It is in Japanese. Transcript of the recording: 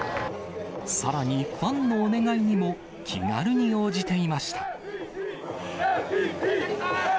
さらに、ファンのお願いにも気軽に応じていました。